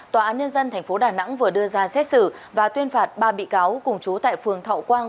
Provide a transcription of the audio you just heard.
tòa án nhân dân tp đà nẵng vừa đưa ra xét xử và tuyên phạt ba bị cáo cùng chú tại phường thọ quang